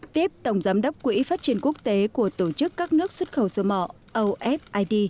tiếp tổng giám đốc quỹ phát triển quốc tế của tổ chức các nước xuất khẩu sơ mọ ofid